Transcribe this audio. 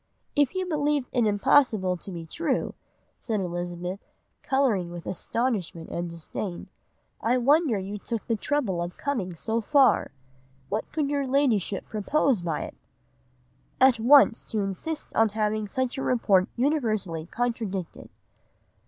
"'If you believed it impossible to be true,' said Elizabeth, colouring with astonishment and disdain, 'I wonder you took the trouble of coming so far. What could your Ladyship propose by it?' "'At once to insist on having such a report universally contradicted.